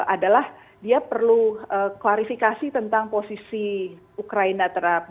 adalah dia perlu klarifikasi tentang posisi ukraina terhadap